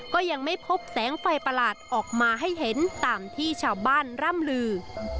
ก็ยังไม่พบแสงไฟประหลาดออกมาให้เห็นตามที่ชาวบ้านร่ำลือ